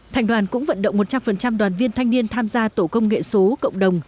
thành đoàn cũng vận động một trăm linh đoàn viên thanh niên tham gia tổ công nghệ số cộng đồng